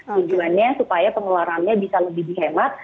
tujuannya supaya penularannya bisa lebih dihemat